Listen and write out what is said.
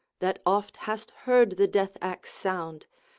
That oft hast heard the death axe sound.